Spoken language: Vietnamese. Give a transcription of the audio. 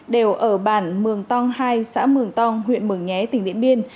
đều ở bản mường tong hai xã mường tong huyện mường nhé tỉnh điện biên